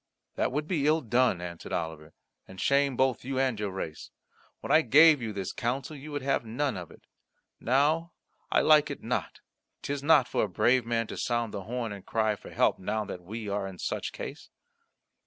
"That would be ill done," answered Oliver, "and shame both you and your race. When I gave you this counsel you would have none of it. Now I like it not. 'Tis not for a brave man to sound the horn and cry for help now that we are in such case."